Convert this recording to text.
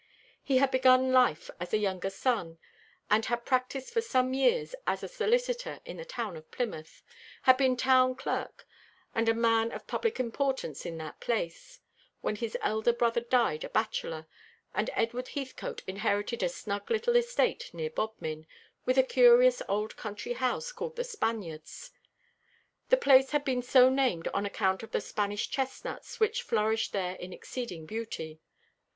He had begun life as a younger son, and had practised for some years as a solicitor in the town of Plymouth had been town clerk and a man of public importance in that place when his elder brother died a bachelor, and Edward Heathcote inherited a snug little estate near Bodmin, with a curious old country house called The Spaniards. The place had been so named on account of the Spanish chestnuts which flourished there in exceeding beauty.